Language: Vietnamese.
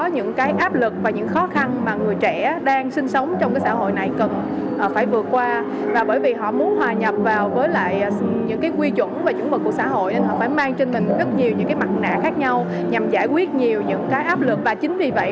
những cái áp lực và chính vì vậy